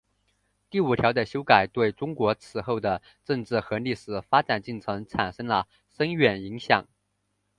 第五条的修改对中国此后的政治和历史发展进程产生了深远影响。